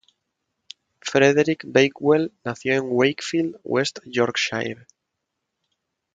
Frederick Bakewell nació en Wakefield, West Yorkshire.